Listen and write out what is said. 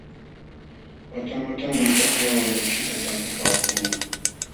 Watan watanmi takllawan akśhuta talpupaakuu.